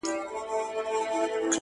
ستا زړه ته خو هر څوک ځي راځي گلي،